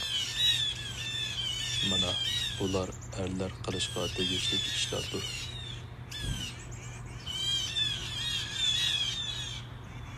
مانا بۇلار ئەرلەر قىلىشقا تېگىشلىك ئىشلاردۇر.